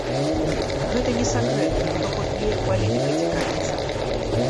Гэта не сакрэт, хто хоць неяк палітыкай цікавіцца.